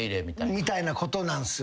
みたいなことなんすよね。